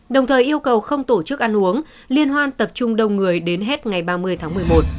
đồng thời yêu cầu không tổ chức ăn uống liên hoan tập trung đông người đến hết ngày ba mươi tháng một mươi một